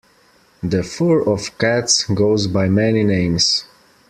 The fur of cats goes by many names.